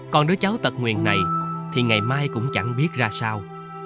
còn đứa cháu tật nguyền này thì ngày mai cũng chẳng biết ra sao